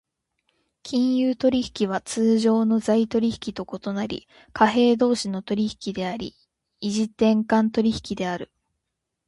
金融取引は通常の財取引と異なり、貨幣同士の取引であり、異時点間取引である。